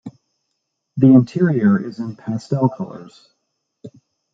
The interior is in pastel colours.